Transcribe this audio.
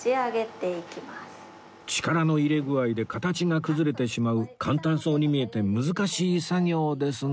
力の入れ具合で形が崩れてしまう簡単そうに見えて難しい作業ですが